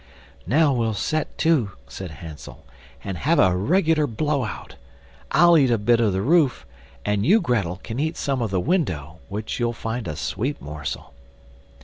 "Now we'll set to," said Hansel, "and have a regular blow out.(1) I'll eat a bit of the roof, and you, Grettel, can eat some of the window, which you'll find a sweet morsel."